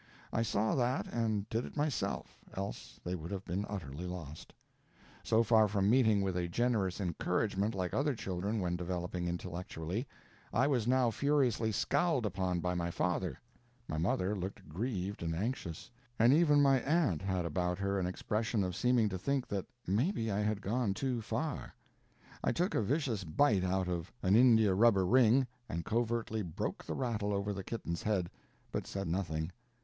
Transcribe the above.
I saw that, and did it myself, else they would have been utterly lost. So far from meeting with a generous encouragement like other children when developing intellectually, I was now furiously scowled upon by my father; my mother looked grieved and anxious, and even my aunt had about her an expression of seeming to think that maybe I had gone too far. I took a vicious bite out of an India rubber ring, and covertly broke the rattle over the kitten's head, but said nothing.